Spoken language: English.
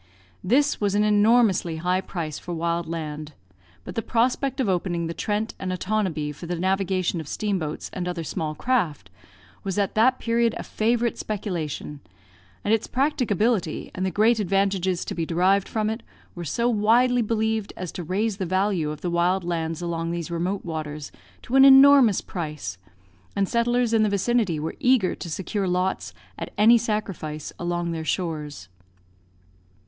This was an enormously high price for wild land; but the prospect of opening the Trent and Otonabee for the navigation of steamboats and other small craft, was at that period a favourite speculation, and its practicability, and the great advantages to be derived from it, were so widely believed as to raise the value of the wild lands along these remote waters to an enormous price; and settlers in the vicinity were eager to secure lots, at any sacrifice, along their shores.